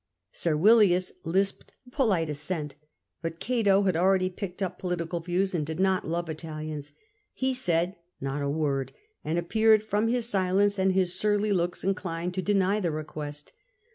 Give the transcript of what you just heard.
Servilius lisped a polite assent ; but Cato had already picked up political views, and did not love Italians. He said not a word, and appeared from his silence and his surly looks inclined to deny the request.